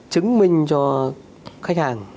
chứng minh cho khách hàng